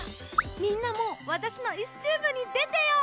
みんなもわたしのイスチューブにでてよ！